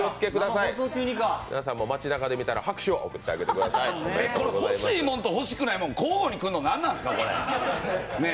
皆さんも街なかで見たら拍手を贈ってください欲しいものと欲しくないもの、交互にくるの、なんでですかね。